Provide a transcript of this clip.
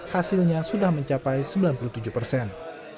hasilnya sudah mencapai sembilan puluh tujuh persen